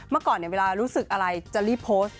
เมื่อก่อนเวลารู้สึกอะไรจะรีบโพสต์